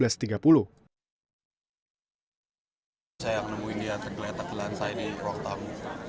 saya menemui dia tergeletak di lantai di ruang tamu